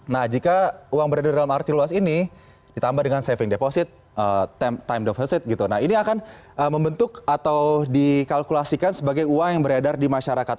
nah jika uang beredar dalam arti luas ini ditambah dengan saving deposit time deposit gitu nah ini akan membentuk atau dikalkulasikan sebagai uang yang beredar di masyarakat